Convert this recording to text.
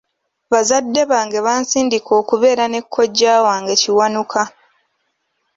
Bazadde bange bansindika okubeera ne kojja wange Kiwanuka.